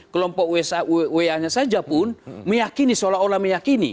kelompok wa nya saja pun meyakini seolah olah meyakini